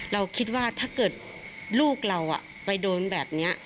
เราคิดว่าถ้าเกิดลูกเราไปโดนแบบนี้